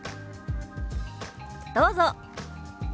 どうぞ。